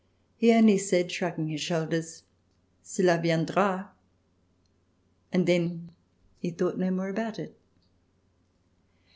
He only said, shrugging his shoulders: "Cela viendra," and then he thought no more about it.